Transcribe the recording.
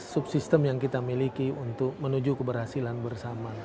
subsistem yang kita miliki untuk menuju keberhasilan bersama